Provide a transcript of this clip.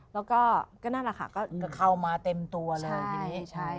แล้วก็นั่นแหละค่ะก็เข้ามาเต็มตัวเลยทีนี้